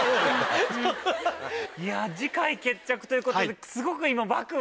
次回決着ということですごく今。